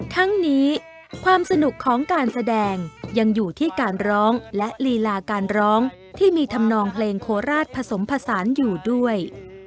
ทั้งนี้ความสนุกของการแสดงยังอยู่ที่การร้องและลีลาการร้องที่มีธรรมนองเพลงโคราชผสมผสานอยู่ด้วย